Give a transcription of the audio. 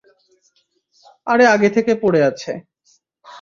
আরে আগে থেকে পড়ে আছে।